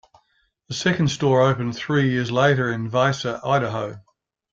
The second store opened three years later in Weiser, Idaho.